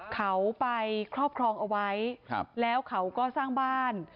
เขาไปครอบครองเอาไว้แล้วเขาก็สร้างบ้าน